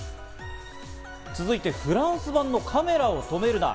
続いてフランス版の『カメラを止めるな！』。